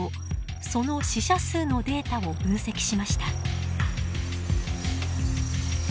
その死者数のデータを分析しました。